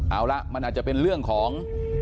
เอาละมันอาจจะเป็นเรื่องของ